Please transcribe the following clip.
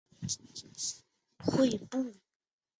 天庆会是台湾三大犯罪组织之一天道盟旗下分会。